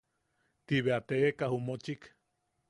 Ti bea teʼeka ju mochik.